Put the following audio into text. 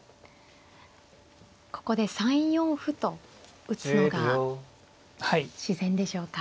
ここで３四歩と打つのが自然でしょうか。